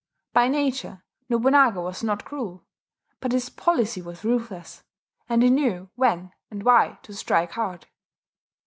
By nature Nobunaga was not cruel; but his policy was ruthless, and he knew when and why to strike hard.